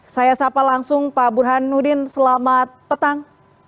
saya sapa langsung pak burhanuddin selamat petang